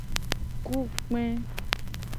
Ku kpe.